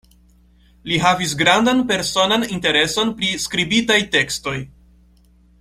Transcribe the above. Li havis grandan personan intereson pri skribitaj tekstoj.